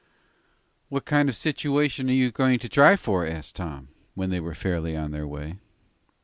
"What kind of a situation are you goin' to try for?" asked Tom, when they were fairly on their way.